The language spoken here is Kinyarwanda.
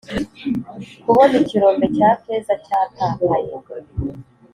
kubona ikirombe cya feza cyatakaye